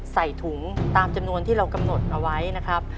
ใส่ถุงตามจำนวนที่เรากำหนดเอาไว้นะครับ